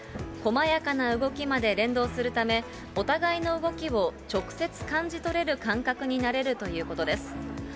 細やかな動きまで連動するため、お互いの動きを直接感じ取れる感覚になれるということです。